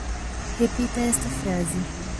Repita esta frase